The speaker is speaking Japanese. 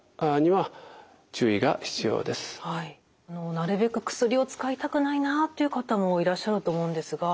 なるべく薬を使いたくないなっていう方もいらっしゃると思うんですが。